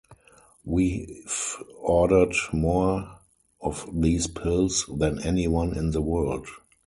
We’ve ordered more of these pills than anyone in the world.